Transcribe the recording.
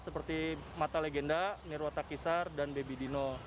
seperti mata legenda nirwata kisar dan baby dino